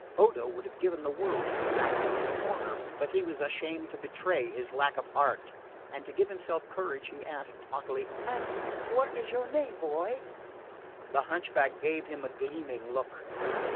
Odo would have given the world to be back in his corner, but he was ashamed to betray his lack of heart; and to give himself courage he asked haughtily: "And what is your name, boy?" The hunchback gave him a gleaming look.